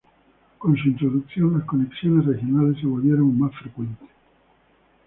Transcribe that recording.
Con su introducción, las conexiones regionales se volvieron más frecuentes.